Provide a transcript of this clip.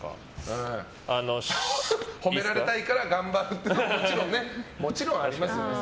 褒められたいから頑張るっていうのはもちろんありますよね。